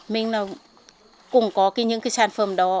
mình cũng có những sản phẩm đó